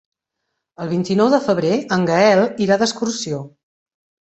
El vint-i-nou de febrer en Gaël irà d'excursió.